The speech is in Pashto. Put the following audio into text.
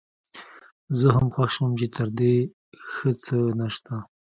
زه هم خوښ شوم چې تر دې ښه څه نشته.